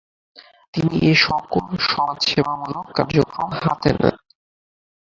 তিনি এ সকল সমাজসেবামূলক কার্যক্রম হাতে নেন।